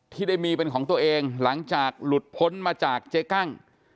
ที่ได้มีเป็นของตัวเองหลังจากหลุดพ้นมาจากเจ๊กั้ง